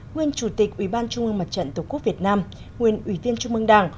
nguyên chủ tịch ủy ban trung mương mặt trận tổ quốc việt nam nguyên ủy viên trung mương đảng